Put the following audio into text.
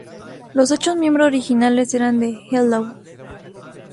Los ocho miembros originales eran de Hello!